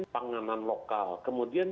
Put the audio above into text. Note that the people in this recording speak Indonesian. panganan lokal kemudian